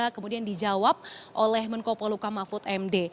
kemudian dijawab oleh menkopolhuka mahfud md